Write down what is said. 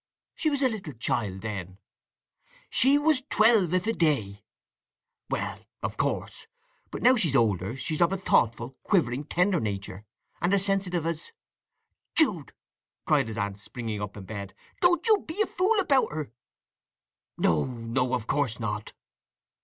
'" "She was a little child then." "She was twelve if a day." "Well—of course. But now she's older she's of a thoughtful, quivering, tender nature, and as sensitive as—" "Jude!" cried his aunt, springing up in bed. "Don't you be a fool about her!" "No, no, of course not."